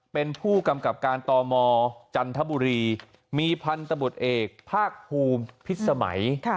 เป็นผู้กำกับการตมจันทบุรีมีพันธบทเอกภาคภูมิพิษสมัย